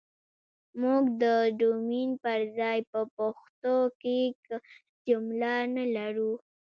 موږ ده ډومين پر ځاى په پښتو کې که جمله نه لرو